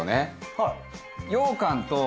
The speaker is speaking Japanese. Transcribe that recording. はい。